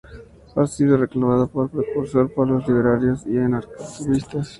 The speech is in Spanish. Ha sido reclamado como precursor por los libertarios y anarcocapitalistas.